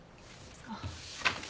あっ。